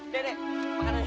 dede makan aja